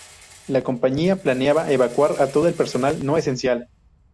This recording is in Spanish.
La compañía planeaba evacuar a todo el personal no esencial.